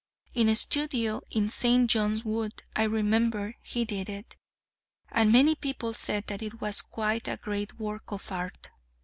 In a studio in St. John's Wood, I remember, he did it; and many people said that it was quite a great work of art.